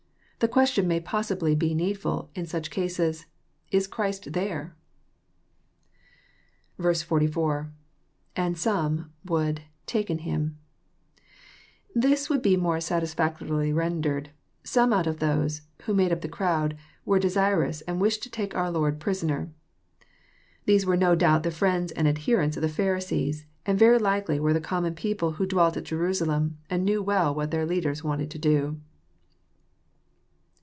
The question may possibly be needful in such cases, " Is Christ there ?'* 44. — lAnd some„,would,„taken Him,] This would be more satis factorily rendered, Some out of those " who made up the crowd "were desirous and wished to take our Lord prison er." — These were no doubt the fWends and adherents of the Pharisees, and very likely were the common people who dwelt at Jerusalem, and knew well what their leaders wanted to do.